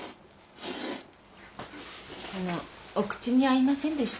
あのうお口に合いませんでした？